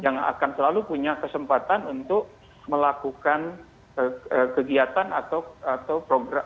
yang akan selalu punya kesempatan untuk melakukan kegiatan atau kegiatan yang lebih baik